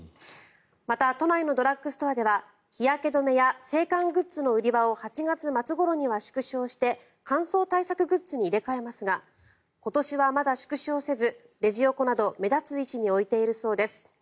また都内のドラッグストアでは日焼け止めや制汗グッズの売り場を８月末ごろには縮小して乾燥対策グッズに入れ替えますが今年はまだ縮小せずレジ横など目立つ位置に置いているそうです。